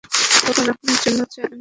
তখন আপনার জন্যেও চা আনিয়ে দেব।